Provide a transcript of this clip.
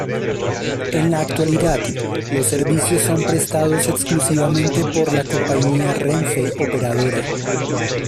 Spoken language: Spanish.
En la actualidad, los servicios son prestados exclusivamente por la compañía Renfe Operadora.